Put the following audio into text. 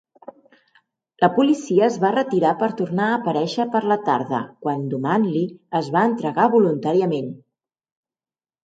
La policia es va retirar per tornar a aparèixer per la tarda, quan Dumanli es va entregar voluntàriament.